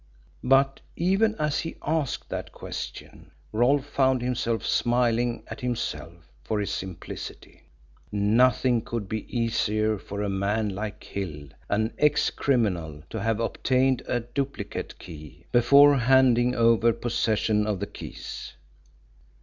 But even as he asked that question, Rolfe found himself smiling at himself for his simplicity. Nothing could be easier for a man like Hill an ex criminal to have obtained a duplicate key, before handing over possession of the keys.